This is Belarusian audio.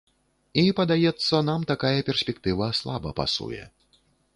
І, падаецца, нам такая перспектыва слаба пасуе.